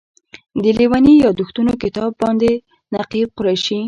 د لېوني یادښتونو کتاب باندې نقیب قریشي.